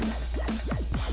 mendingan lo sekarang